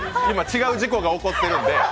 今、違う事故が起こってるんで。